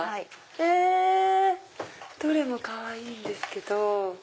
えどれもかわいいですけど。